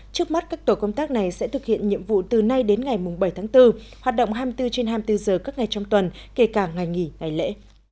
trước mắt các tổ công tác này sẽ thực hiện nhiệm vụ từ nay đến ngày bảy tháng bốn hoạt động hai mươi bốn trên hai mươi bốn giờ các ngày trong tuần kể cả ngày nghỉ ngày lễ